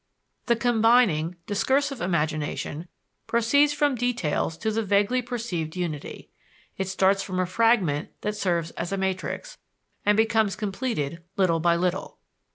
The combining, discursive imagination proceeds from details to the vaguely perceived unity. It starts from a fragment that serves as a matrix, and becomes completed little by little.